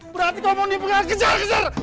berarti kau mau nipu kan kejar kejar